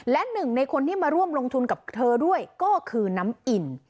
และหนึ่งในคนที่มาร่วมลงทุนกับเธอด้วยก็คือน้ำอิ่ม